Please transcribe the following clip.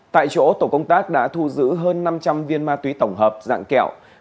tại chỗ tổ công tác đã thu giữ hơn năm trăm linh viên ma túy tổng hợp dạng kẹo